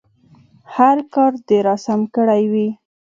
هر کار دې راسم کړی وي.